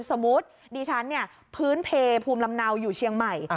สมมุติดิฉันเนี่ยพื้นเพลภูมิลำเนาอยู่เชียงใหม่